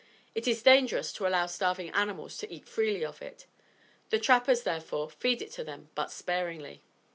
It is dangerous to allow starving animals to eat freely of it; the trappers, therefore, feed it to them but sparingly.